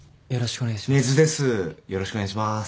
よろしくお願いしま。